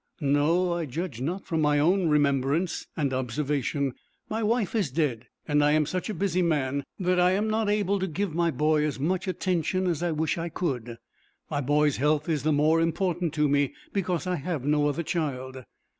"No, I judge not from my own remembrance and observation. My wife is dead, and I am such a busy man that I am not able to give my boy as much attention as I wish I could. My boy's health is the more important to me because I have no other child."